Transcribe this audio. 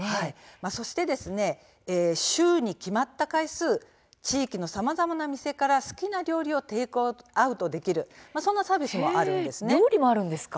そして週に決まった回数地域のさまざまな店から好きな料理をテイクアウトできるというサービスもあります。